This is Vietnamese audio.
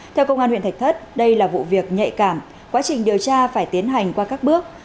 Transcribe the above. theo công an huyện thạch thất đây là vụ việc nhạy cảm quá trình điều tra phải tiến hành qua các bước